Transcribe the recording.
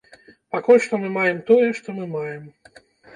Пакуль што мы маем тое, што мы маем.